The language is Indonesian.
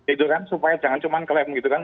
itu kan supaya jangan cuma klaim gitu kan